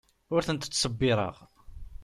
Ur ten-ttṣebbireɣ.